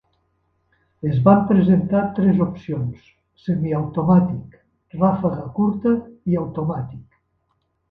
Es van presentar tres opcions: semiautomàtic, ràfega curta, i automàtic.